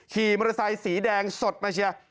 ขี่มอเตอร์ไซค์สีแดงสดมาเชียร์